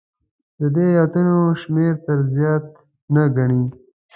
د دې ایتونو شمېر تر زیات نه ګڼي.